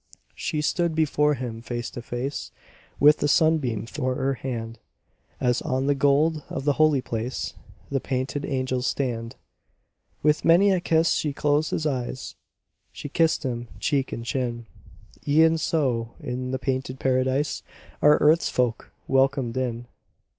She stood before him face to face, With the sun beam thwart her hand, As on the gold of the Holy Place The painted angels stand. With many a kiss she closed his eyes; She kissed him cheek and chin: E'en so in the painted Paradise Are Earth's folk welcomed in.